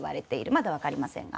まだ分かりませんが。